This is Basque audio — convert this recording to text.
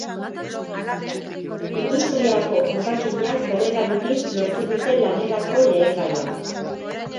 Industriako hondakinak berrerabiliz lortu dute lanerako lehengaia.